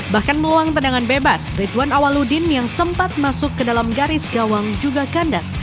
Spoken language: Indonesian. bahkan meluang tendangan bebas ridwan awaludin yang sempat masuk ke dalam garis gawang juga kandas